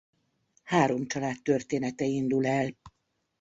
Három család története indul el.